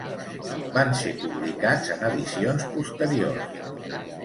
Van ser publicats en edicions posteriors.